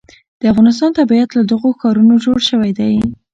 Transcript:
د افغانستان طبیعت له دغو ښارونو جوړ شوی دی.